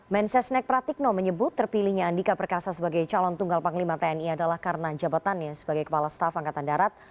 mensesnek pratikno menyebut terpilihnya andika perkasa sebagai calon tunggal panglima tni adalah karena jabatannya sebagai kepala staf angkatan darat